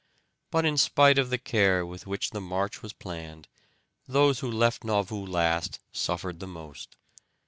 But in spite of the care with which the march was planned those who left Nauvoo last suffered the most.